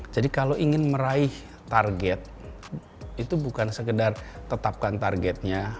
jadi kalau ingin meraih target itu bukan sekedar tetapkan targetnya